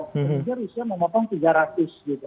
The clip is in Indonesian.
kemudian rusia memotong tiga ratus gitu